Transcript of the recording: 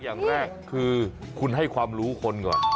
อย่างแรกคือคุณให้ความรู้คนก่อน